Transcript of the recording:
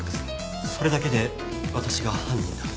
それだけで私が犯人だと？